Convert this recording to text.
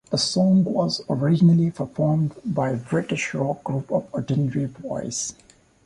The song was originally performed by British rock group The Ordinary Boys.